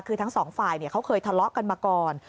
คือทั้งสองฝ่ายเขาเคยทะเลาะกันมาก่อน